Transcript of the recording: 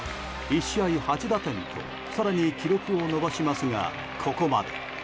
１試合８打点と、更に記録を伸ばしますがここまで。